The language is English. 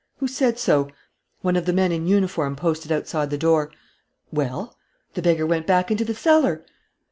"Who said so?" "One of the men in uniform posted outside the door." "Well?" "The beggar went back into the cellar."